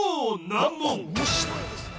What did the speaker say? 面白いですね